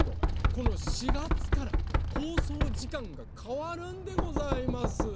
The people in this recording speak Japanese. この４がつからほうそうじかんがかわるんでございます！